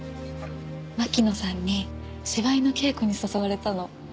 巻乃さんに芝居の稽古に誘われたの。